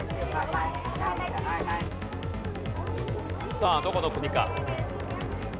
さあどこの国か。